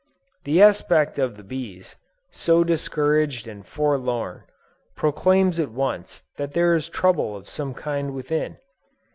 The aspect of the bees, so discouraged and forlorn, proclaims at once that there is trouble of some kind within.